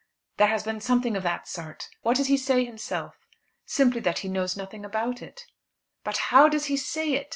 There has been something of that sort. What does he say himself?" "Simply that he knows nothing about it." "But how does he say it?